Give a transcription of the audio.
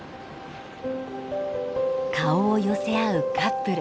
顔を寄せ合うカップル。